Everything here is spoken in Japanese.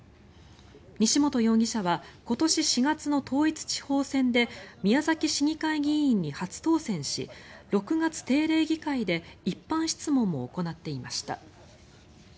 西本容疑者は今年４月の統一地方選で宮崎市議会議員に初当選し６月定例議会で一般質問も行っていました。